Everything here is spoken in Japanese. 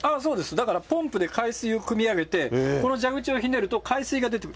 だからポンプで海水をくみ上げて、この蛇口をひねると、海水が出てくる。